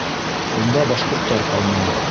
— Унда башҡорттар ҡайнай.